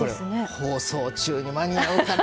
放送中に間に合うかな。